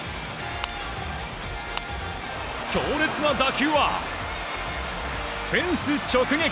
強烈な打球はフェンス直撃！